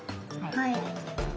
はい。